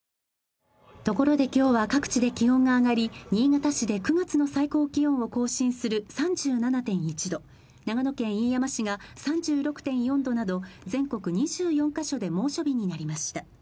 ところで今日は各地で気温が上がり、新潟市で９月の最高気温を更新する３７．１度、長野県飯山市が３６．４度など、全国２４か所で猛暑日になりました。